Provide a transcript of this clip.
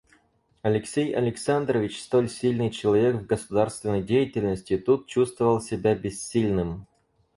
Алексей Александрович, столь сильный человек в государственной деятельности, тут чувствовал себя бессильным.